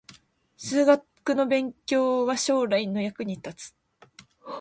数学の勉強は将来の役に立つ